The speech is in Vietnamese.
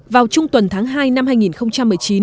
vào trung tuần tháng hai năm hai nghìn một mươi chín